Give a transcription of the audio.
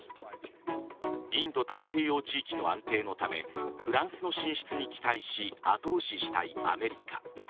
インド太平洋地域の安定のためフランスの進出に期待し後押ししたいアメリカ。